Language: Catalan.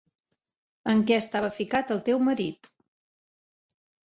En què estava ficat el teu marit.